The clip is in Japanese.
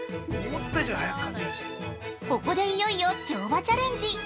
ここで、いよいよ乗馬チャレンジ。